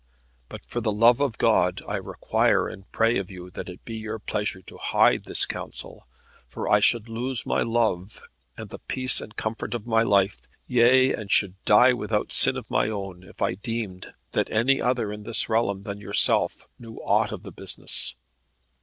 But for the love of God I require and pray of you that it be your pleasure to hide this counsel; for I should lose my love, and the peace and comfort of my life yea, and should die without sin of my own, if I deemed that any other in this realm than yourself knew aught of the business."